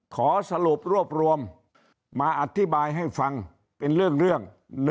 ขอสรุปรวบรวมมาอธิบายให้ฟังเป็นเรื่อง